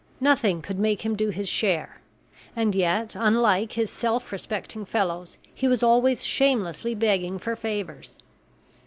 Nothing could make him do his share; and yet unlike his self respecting fellows he was always shamelessly begging for favors.